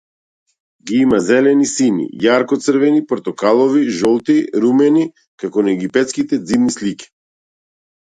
Ги има зелени, сини, јарко црвени, портокалови, жолти, румени, како на египетските ѕидни слики.